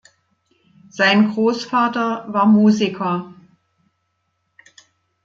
Sein Großvater war Musiker.